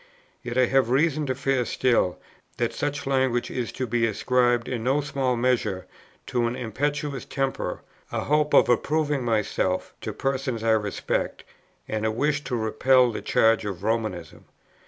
Yet I have reason to fear still, that such language is to be ascribed, in no small measure, to an impetuous temper, a hope of approving myself to persons I respect, and a wish to repel the charge of Romanism."